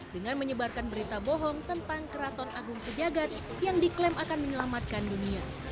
dengan menyebarkan berita bohong tentang keraton agung sejagat yang diklaim akan menyelamatkan dunia